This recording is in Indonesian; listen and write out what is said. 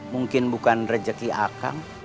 mungkin bukan rezeki akang